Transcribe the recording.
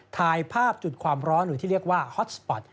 ถ่ายภาพจุดความร้อนหรือที่เรียกว่าฮอตสปอร์ต